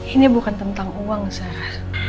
ini bukan tentang uang zahra